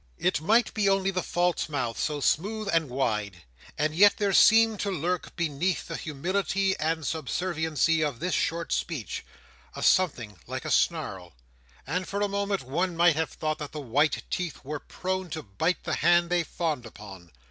It might be only the false mouth, so smooth and wide; and yet there seemed to lurk beneath the humility and subserviency of this short speech, a something like a snarl; and, for a moment, one might have thought that the white teeth were prone to bite the hand they fawned upon.